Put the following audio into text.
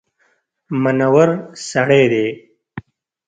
منور سړی دی.